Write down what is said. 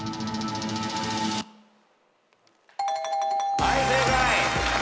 はい正解。